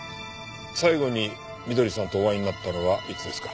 最後に翠さんとお会いになったのはいつですか？